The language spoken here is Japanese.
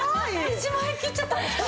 １万円切っちゃったんですか！？